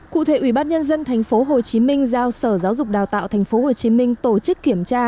cụ thể ủy ban nhân dân tp hcm giao sở giáo dục đào tạo tp hcm tổ chức kiểm tra